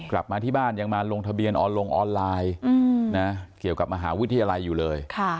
กลับมาที่บ้านยังมาลงทะเบียนออนลงออนไลน์เกี่ยวกับมหาวิทยาลัยอยู่เลย